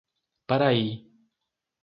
Paraí